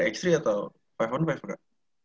tiga x tiga atau lima on lima kak